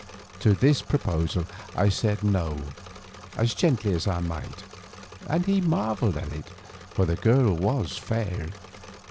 To this proposal I said no as gently as I might, and he marvelled at it, for the girl was fair.